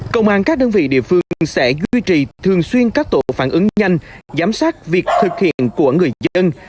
công an các đơn vị địa phương sẽ duy trì thường xuyên các tổ phản ứng nhanh giám sát việc thực hiện của người dân